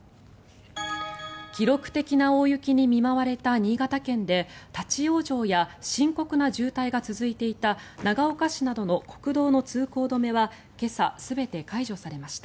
記録的な大雪に見舞われた新潟県で立ち往生や深刻な渋滞が続いていた長岡市などの国道の通行止めは今朝、全て解除されました。